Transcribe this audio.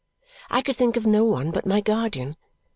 I could think of no one but my guardian.